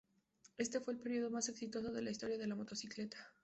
Este fue el período más exitoso en la historia de la motocicleta.